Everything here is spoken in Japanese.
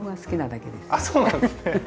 あそうなんですね。